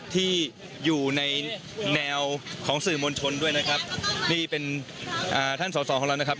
ที่อยู่ในแนวของสื่อมวลชนด้วยนะครับนี่เป็นอ่าท่านสอสอของเรานะครับ